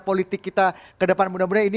politik kita ke depan mudah mudahan ini